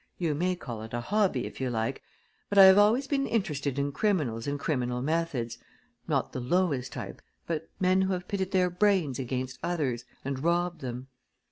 You may call it a hobby, if you like, but I have always been interested in criminals and criminal methods not the lowest type, but men who have pitted their brains against others and robbed them.